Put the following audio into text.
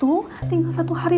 agar dia emang masih cara